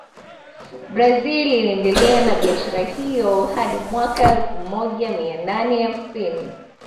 Brazil iliendelea na biashara hiyo hadi mwaka elfu moja mia nane hamsini